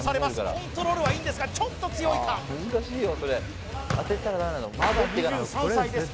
コントロールはいいんですがちょっと強いかまだ２３歳です